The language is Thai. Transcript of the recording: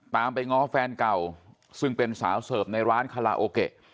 ไปง้อแฟนเก่าซึ่งเป็นสาวเสิร์ฟในร้านคาราโอเกะ